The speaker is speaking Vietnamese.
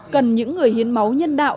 cần những người hiến máu nhân đạo